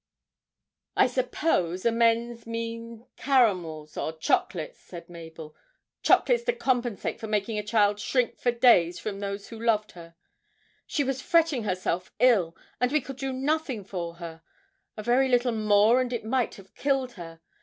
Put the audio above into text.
'I suppose "amends" mean caramels or chocolates,' said Mabel; 'chocolates to compensate for making a child shrink for days from those who loved her! She was fretting herself ill, and we could do nothing for her: a very little more and it might have killed her.